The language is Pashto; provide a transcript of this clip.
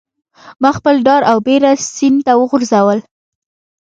ماخپل ډار او بیره سیند ته وغورځول